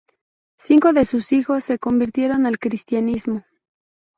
Cinco de sus hijos se convirtieron al cristianismo.